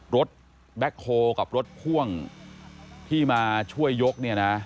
แบ็คโฮลกับรถพ่วงที่มาช่วยยกเนี่ยนะ